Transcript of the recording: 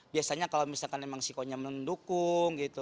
biasanya kalau misalkan emang sikonya mendukung gitu